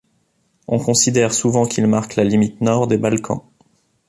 On considère souvent qu'il marque la limite nord des Balkans.